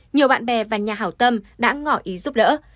nhiều bạn bè và nhà hảo tâm đã ngỏ ý giúp đỡ